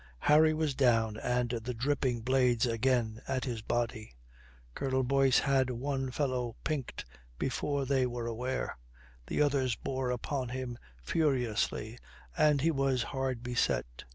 Harry was down and the dripping blades again at his body. Colonel Boyce had one fellow pinked before they were aware. The others bore upon him furiously and he was hard beset.